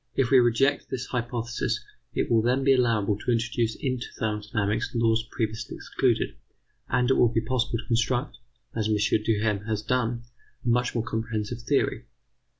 If we reject this hypothesis, it will then be allowable to introduce into thermodynamics laws previously excluded, and it will be possible to construct, as M. Duhem has done, a much more comprehensive theory.